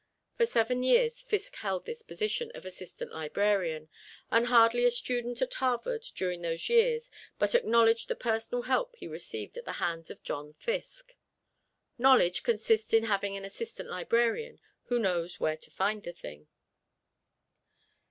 For seven years Fiske held this position of assistant librarian, and hardly a student at Harvard during those years but acknowledged the personal help he received at the hands of John Fiske. Knowledge consists in having an assistant librarian who knows where to find the thing.